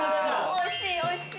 ◆おいしい、おいしい